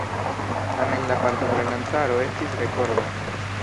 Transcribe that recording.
Tamen la partoprenantaro estis rekorda.